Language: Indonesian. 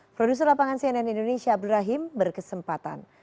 produser lapangan cnn indonesia abdu rahim berkesempatan